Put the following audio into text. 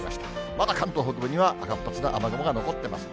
まだ関東北部には活発な雨雲が残っています。